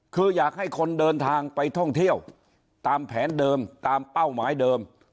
คืออยากให้คนเดินทางไปท่องเที่ยวตามแผนเดิมตามเป้าหมายเดิม